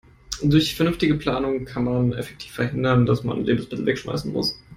Durch vernünftige Planung kann man effektiv verhindern, dass man Lebensmittel wegschmeißen muss.